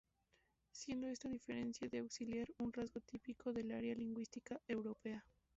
Siendo esta diferencia de auxiliar un rasgo típico del área lingüística europea.